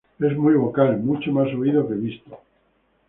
Es muy vocal, mucho más oído que visto.